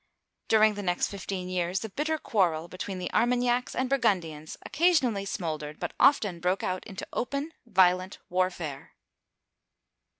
During the next fifteen years, the bitter quarrel between the Armagnacs and Bur gundians occasionally smoldered, but often broke out into open, violent warfare.